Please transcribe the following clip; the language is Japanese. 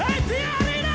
アリーナ！